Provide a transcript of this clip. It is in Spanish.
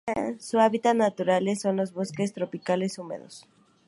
Sus hábitats naturales son los bosques tropicales húmedos.